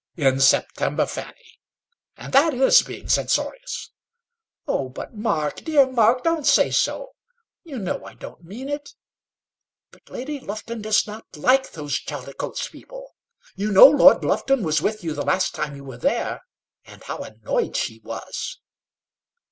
"In September, Fanny. And that is being censorious." "Oh, but, Mark, dear Mark; don't say so. You know I don't mean it. But Lady Lufton does not like those Chaldicotes people. You know Lord Lufton was with you the last time you were there; and how annoyed she was!"